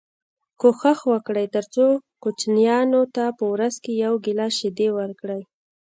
کوښښ وکړئ تر څو کوچنیانو ته په ورځ کي یو ګیلاس شیدې ورکړی